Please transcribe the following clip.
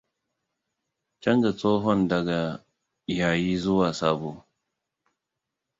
Canza tsohon daga yayi zuwa sabo.